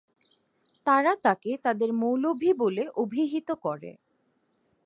তারা তাকে তাদের "মৌলভি" বলে অভিহিত করে।